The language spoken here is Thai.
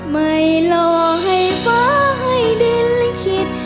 ไม่รอให้ฟ้าให้ดินลิขิต